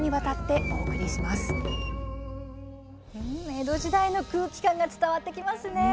江戸時代の空気感が伝わってきますね。